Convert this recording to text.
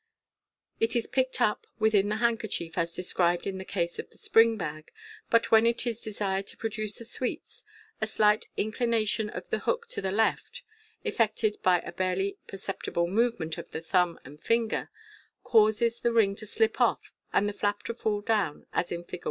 It is picked up within the handkerchief as described in the case of the spring bag ; but when it is desired to produce the sweets, a slight inclination of the hook to the left (effected by a barely perceptible movement of the thumb and finger) causes the ring to slip off and the flap to fall down, as in Fig.